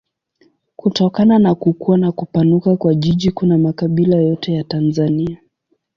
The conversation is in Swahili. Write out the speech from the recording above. Kutokana na kukua na kupanuka kwa jiji kuna makabila yote ya Tanzania.